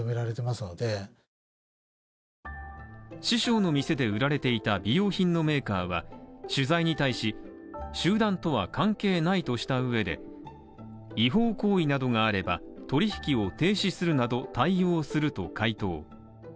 師匠の店で売られていた美容品のメーカーは取材に対し、集団とは関係ないとしたうえで、違法行為などがあれば取引を停止するなど対応すると回答。